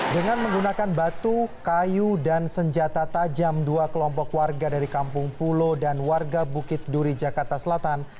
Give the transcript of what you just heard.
dengan menggunakan batu kayu dan senjata tajam dua kelompok warga dari kampung pulo dan warga bukit duri jakarta selatan